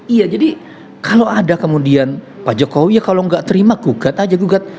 iya jadi kalau ada kemudian pak jokowi ya kalau nggak terima gugat aja gugat